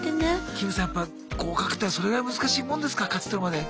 キムさんやっぱ合格ってそれぐらい難しいもんですか勝ち取るまで。